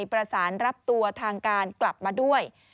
ประสานรับตัวทางการกลับมาด้วย